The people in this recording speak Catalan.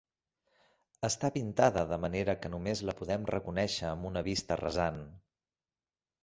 Està pintada de manera que només la podem reconèixer amb una vista rasant.